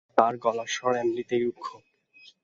তাঁর গলার স্বর এমনিতেই রুক্ষ।